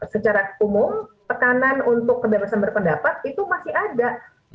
secara umum tekanan untuk kebebasan berpendapat itu masih ada